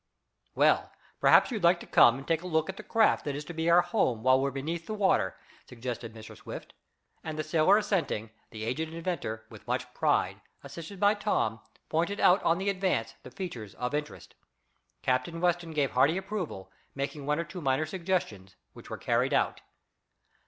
"Well, perhaps you'd like to come and take a look at the craft that is to be our home while we're beneath the water," suggested Mr. Swift and the sailor assenting, the aged inventor, with much pride, assisted by Tom, pointed out on the Advance the features of interest. Captain Weston gave hearty approval, making one or two minor suggestions, which were carried out.